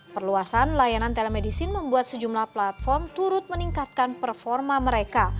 perluasan layanan telemedicine membuat sejumlah platform turut meningkatkan performa mereka